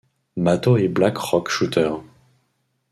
Mato et Black Rock Shooter.